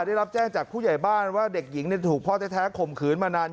ได้รับแจ้งจากผู้ใหญ่บ้านว่าเด็กหญิงถูกพ่อแท้ข่มขืนมานาน